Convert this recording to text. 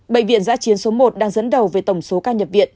bệnh viện giã chiến số một đang dẫn đầu về tổng số ca nhập viện